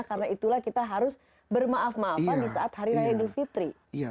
karena itulah kita harus bermaaf maafan di saat hari raya idul fitri